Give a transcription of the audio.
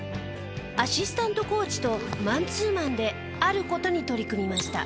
アシスタントコーチとマンツーマンである事に取り組みました。